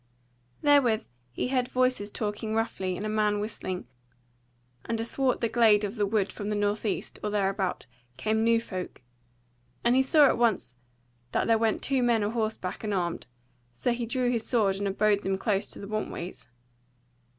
Therewith he heard voices talking roughly and a man whistling, and athwart the glade of the wood from the northwest, or thereabout, came new folk; and he saw at once that there went two men a horseback and armed; so he drew his sword and abode them close to the want ways.